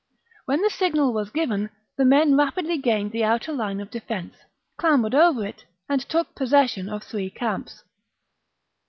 When the signal was given, the men rapidly gained the outer line of defence, clambered over it, and took possession of three camps.